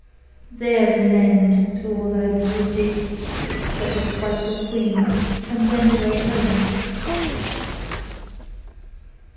'There's an end to all thy beauty,' said the spiteful queen, and went away home.